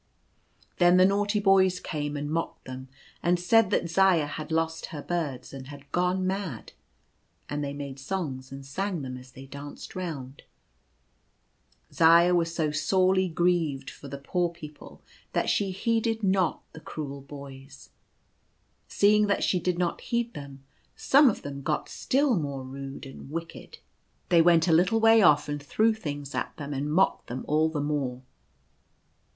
Then the naughty boys came and mocked them, and said that Zaya had lost her birds, and had gone mad ; and they made songs, and sang them as they danced round. Zaya was so sorely grieved for the poor people that she heeded not the cruel boys. Seeing that she did not heed them, some of them got still more rude and wicked ; i 58 The Birds come back. they went a little way off, and threw things at them, and mocked them all the more.